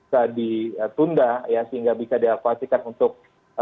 bisa ditunda ya sehingga bisa diakuasikan untuk